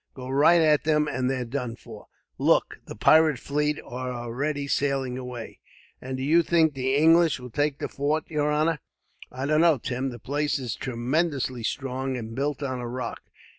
Go right at them, and they're done for. "Look, the pirate fleet are already sailing away." "And do you think the English will take the fort, yer honor?" "I don't know, Tim. The place is tremendously strong, and built on a rock.